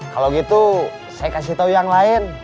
kalo gitu saya kasih tau yang lain